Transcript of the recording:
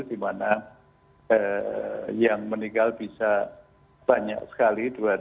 di mana yang meninggal bisa banyak sekali